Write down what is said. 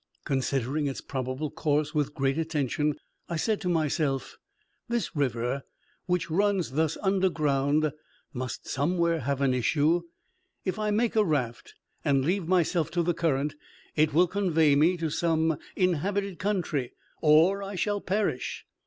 Considering its probable course with great attention, I said to myself, "This river, which runs thus underground, must somewhere have an issue. If I make a raft, and leave myself to the current, it will convey me to some inhabited country, or I shall perish.